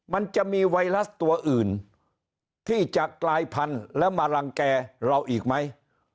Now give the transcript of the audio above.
มันจะมีไวรัสตัวอื่นที่จะกลายพันธุ์แล้วมารังแก่เราอีกไหม